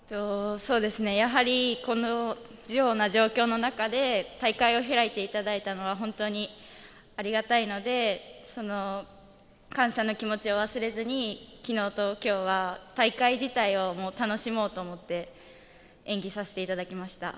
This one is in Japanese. やはり、このような状況の中で大会を開いていただいたのは本当にありがたいので、感謝の気持ちを忘れずに昨日と今日は大会自体を楽しもうと思って、演技させていただきました。